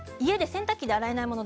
洗濯機で洗えないもの